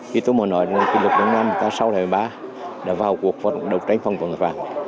khi tôi mới nói là lực lượng lượng án sau lời bà đã vào cuộc đấu tranh phòng vận tài khoản